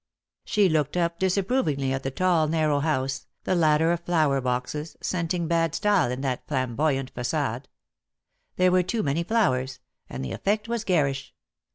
She looked up disapprovingly at the tall narrow house, the ladder of flower boxes, scenting bad style in that flamboyant facade. There were too many flowers, and the effect was garish.